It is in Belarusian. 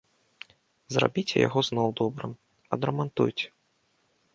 Зрабіце яго зноў добрым, адрамантуйце.